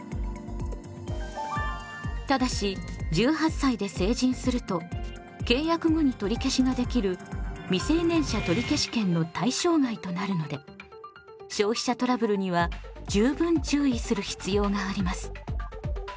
ただし１８歳で成人すると契約後に取り消しができる未成年者取消権の対象外となるので消費者トラブルには十分注意する必要があります。